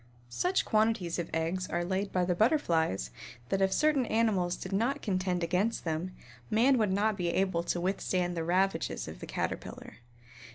Such quantities of eggs are laid by the Butterflies that if certain animals did not contend against them, man would not be able to withstand the ravages of the Caterpillar.